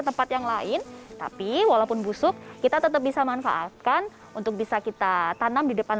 tempat yang lain tapi walaupun busuk kita tetap bisa manfaatkan untuk bisa kita tanam di depan